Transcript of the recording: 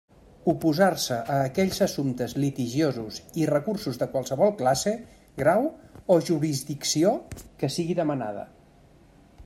Oposar-se a aquells assumptes litigiosos i recursos de qualsevol classe, grau o jurisdicció que sigui demanada.